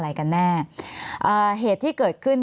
มีความรู้สึกว่ามีความรู้สึกว่า